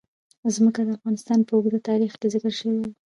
ځمکه د افغانستان په اوږده تاریخ کې ذکر شوی دی.